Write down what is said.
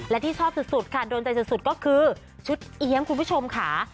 และที่ชอบสุดค่ะโดนใจสุดก็คือชุดเอี๊ยมคุณผู้ชมค่ะ